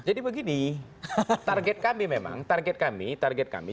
begini target kami memang target kami target kami